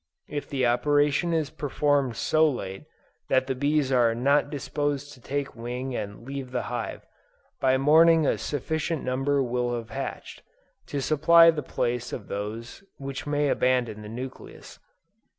If the operation is performed so late that the bees are not disposed to take wing and leave the hive, by morning a sufficient number will have hatched, to supply the place of those which may abandon the nucleus.